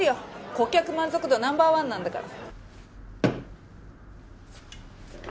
顧客満足度ナンバー１なんだから。